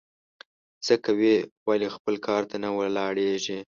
څه کوې ؟ ولي خپل کار ته نه ولاړېږې؟